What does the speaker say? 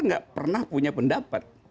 dia pernah punya pendapat